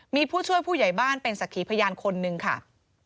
มีผู้ช่วยผู้ใหญ่บ้านเป็นสักขีพยานคนนึงค่ะ